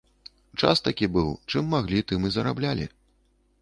Час такі быў, чым маглі, тым і зараблялі.